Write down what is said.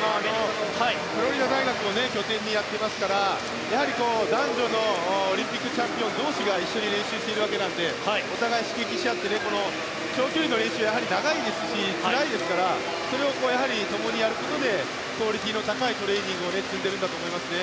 フロリダ大学を拠点にやっていますからやはり男女のオリンピックチャンピオン同士が一緒に練習しているわけなのでお互い、刺激し合ってこの長距離の練習は長いですしつらいですからそれをともにやることでクオリティーの高いトレーニングを積んでいるんだと思いますね。